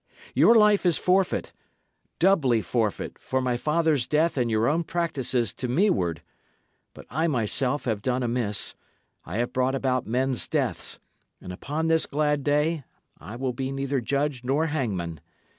Your life is forfeit doubly forfeit, for my father's death and your own practices to meward. But I myself have done amiss; I have brought about men's deaths; and upon this glad day I will be neither judge nor hangman.